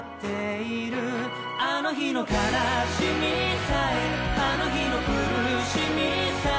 「あの日の悲しみさえあの日の苦しみさえ」